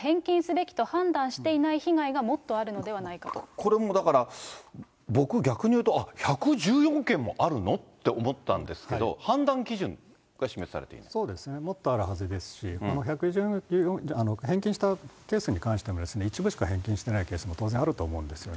教団が返金すべきと判断していない被害がもっとあるのではないかこれもだから、僕、逆に言うと１１４件もあるの？って思ったんですが、判断基準が示されていそうですね、もっとあるはずですし、返金したケースに関しても一部しか返金してないケースも当然あると思うんですよ。